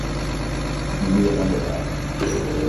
Do you remember that?